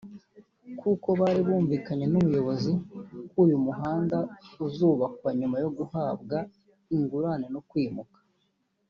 kuko bari bumvikanye n’ubuyobozi ko uyu muhanda uzubakwa nyuma yo guhabwa ingurane no kwimuka